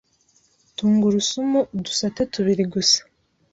Tungurusumu udusate tubiri gusa